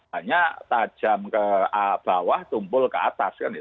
hanya tajam ke bawah tumpul ke atas